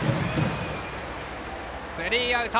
スリーアウト！